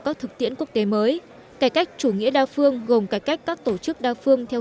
các thực tiễn quốc tế mới cải cách chủ nghĩa đa phương gồm cải cách các tổ chức đa phương theo